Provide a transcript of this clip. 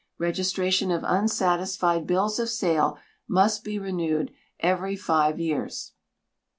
Registration of unsatisfied bills of sale must he renewed every five years.